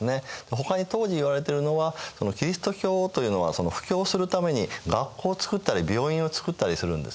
ほかに当時言われているのはキリスト教というのは布教するために学校を作ったり病院を作ったりするんですね。